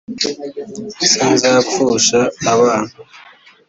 sinzapfusha abana